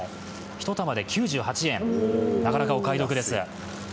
１玉で９８円、なかなかお買い得です。